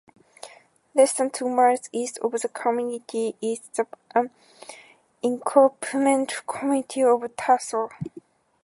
Less than two miles east of the community is the unincorporated community of Tasso.